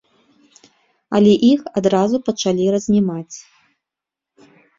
Але іх адразу пачалі разнімаць.